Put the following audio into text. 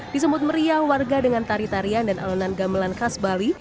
disemut meriah warga dengan tari tarian dan alunan gamelan khas bali